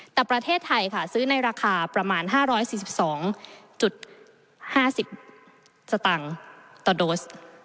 แต่ประเทศไทยค่ะซื้อในราคาประมาณ๕๔๒๕๐สตางค์ต่อโดส